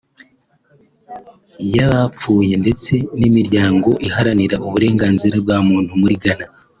iy’abapfuye ndetse n’imiryango iharanira uburenganzira bwa muntu muri Ghana